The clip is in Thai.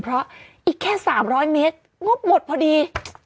เพราะอีกแค่๓๐๐เมตรงบหมดพอดี